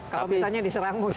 kalau misalnya diserang musuh